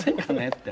って。